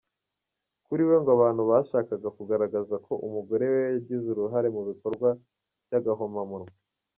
Kuri we, ngo abantu bashakaga kugaragaza ko umugore yagize uruhare mu bikorwa by’agahomamunwa.